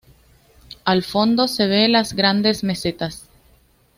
Al fondo se ve las Grandes Mesetas.